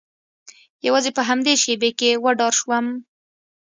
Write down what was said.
یوازې په همدې شیبې کې وډار شوم